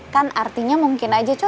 kan artinya mungkin aja coba